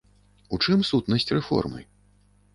У чым сутнасць рэформы?